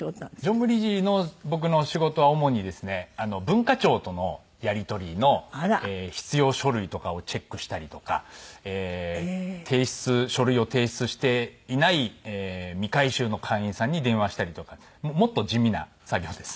常務理事の僕の仕事は主にですね文化庁とのやり取りの必要書類とかをチェックしたりとか提出書類を提出していない未回収の会員さんに電話したりとかもっと地味な作業です。